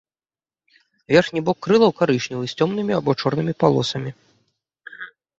Верхні бок крылаў карычневы з цёмнымі або чорнымі палосамі.